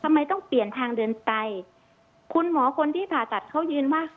ทำไมต้องเปลี่ยนทางเดินไตคุณหมอคนที่ผ่าตัดเขายืนว่า